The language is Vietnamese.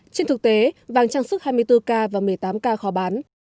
trên thực tế vàng trang sức hai mươi bốn k và một mươi tám k khó bán